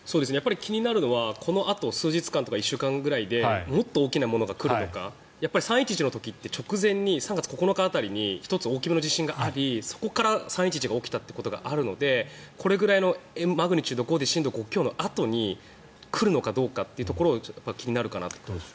気になるのはこのあと数日間とか１週間ぐらいでもっと大きなものが来るとか３・１１の時って直前に３月９日辺りに１つ大きめの地震がありそこから３・１１が起きたということがあるのでこれぐらいのマグニチュード５で震度５強のあとに来るのかどうかが気になります。